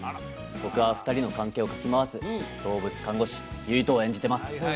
僕は２人の関係をかき回す動物看護師唯斗を演じてます